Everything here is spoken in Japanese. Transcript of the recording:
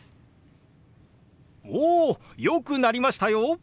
およくなりましたよ！